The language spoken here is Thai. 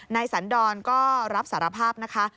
สันดรก็รับสารภาพนะคะ